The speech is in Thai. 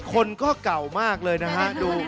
คนก็เก่ามากเลยนะฮะดู